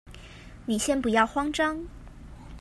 你先不要慌張